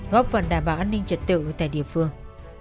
góp phần đảm bảo an ninh trật tự tại địa phương